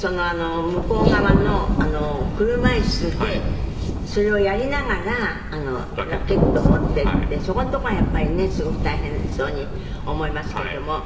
「向こう側の車いすでそれをやりながらラケット持ってってそこのところがやっぱりねすごく大変そうに思いますけれども」